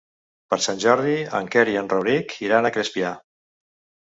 Per Sant Jordi en Quer i en Rauric iran a Crespià.